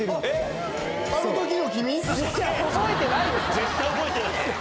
絶対覚えてない。